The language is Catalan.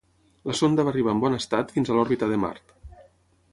La sonda va arribar en bon estat fins a l'òrbita de Mart.